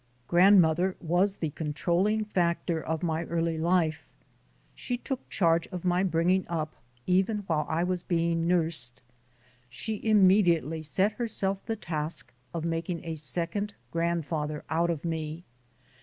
Grandmother was the controlling factor of my early life; she took charge of my bringing up even while I was being nursed. She immediately set herself the task of making a second grandfather out of me.